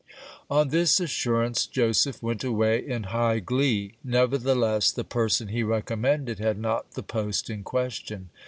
On this assurance Joseph went away in high glee ; nevertheless, the person he recommended had not the post in question.